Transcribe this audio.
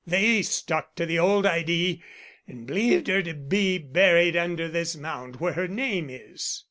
They stuck to the old idee and believed her to be buried under this mound where her name is."